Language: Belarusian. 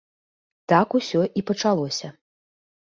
Так усё і пачалося.